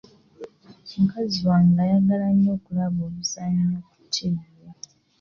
Mukazi wange ayagala nnyo okulaba obuzannyo ku ttivi.